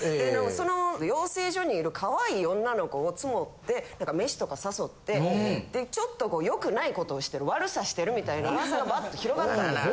その養成所にいる可愛い女の子を募って飯とか誘ってでちょっと良くない事をしている悪さしてるみたいな噂がバッと広がったんです。